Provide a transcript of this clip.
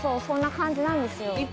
そんな感じなんですよ。